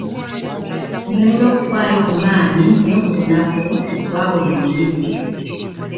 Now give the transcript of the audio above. Balina okufaayo ku maanyi ne ku bunafu bwa buli muyizi.